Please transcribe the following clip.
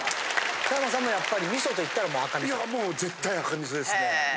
田山さんもやっぱり味噌といったらもう赤味噌。